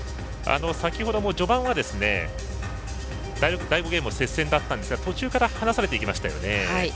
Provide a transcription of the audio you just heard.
先ほども序盤は第５ゲームは接戦だったんですが途中から離されていきましたよね。